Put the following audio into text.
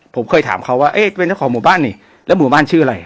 ผมเคยถามเขาว่าเอ๊ะเป็นเจ้าของหมู่บ้านนี่แล้วหมู่บ้านชื่ออะไร